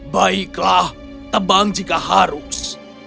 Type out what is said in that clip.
baiklah tebang jika harus